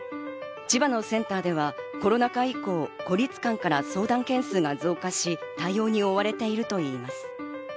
千葉のセンターではコロナ禍以降、孤立感から相談件数が増加し、対応に追われているといいます。